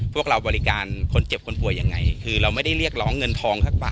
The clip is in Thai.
พวกเราบริการคนเจ็บคนป่วยยังไงคือเราไม่ได้เรียกร้องเงินทองสักบาท